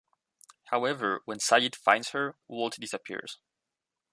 However, when Sayid finds her, Walt disappears.